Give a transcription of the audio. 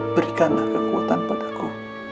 berikanlah kekuatan padaku